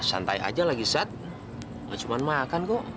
santai aja lagi sat lo cuma makan kok